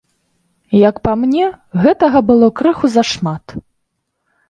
Як па мне, гэтага было крыху зашмат.